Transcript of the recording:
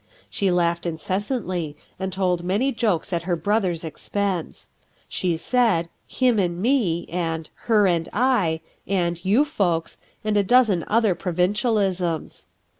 She laughed incessantly, and told many jokes at her brother's expense. She said: "him and me," and "her and I," and "you folks/' and a dozen other provincialisms.